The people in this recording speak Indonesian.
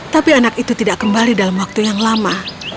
tapi anak itu tidak kembali dalam waktu yang lama